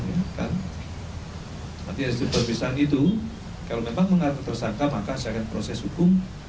nanti ada situ perpisahan itu kalau memang mengatur tersangka maka saya akan proses hukum